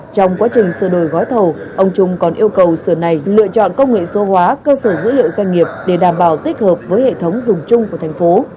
trong quá trình sửa đổi gói thầu ông trung còn yêu cầu sở này lựa chọn công nghệ số hóa cơ sở dữ liệu doanh nghiệp để đảm bảo tích hợp với hệ thống dùng chung của thành phố